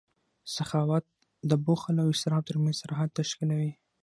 سخاوت د بخل او اسراف ترمنځ سرحد تشکیلوي.